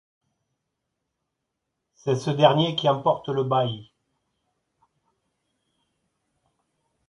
C'est ce dernier qui emporte le bail.